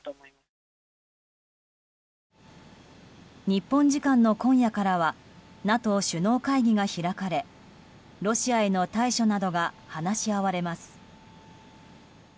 日本時間の今夜からはＮＡＴＯ首脳会議が開かれロシアへの対処などが話し合われます。